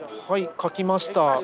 できました？